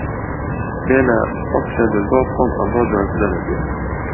بێنە سەد سوێندت بۆ بخۆم ئەمڕۆ جوانترە لە دوێنێ